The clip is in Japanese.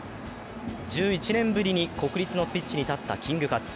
１１年ぶりに国立のピッチに立ったキングカズ。